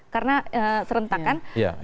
karena serentak kan